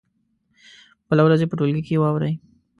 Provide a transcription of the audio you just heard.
بله ورځ یې په ټولګي کې واوروئ.